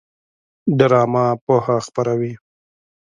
ډرامه پوهه خپروي